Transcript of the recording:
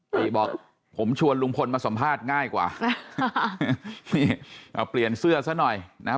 ติบอกผมชวนลุงพลมาสัมภาษณ์ง่ายกว่านี่เปลี่ยนเสื้อซะหน่อยนะฮะ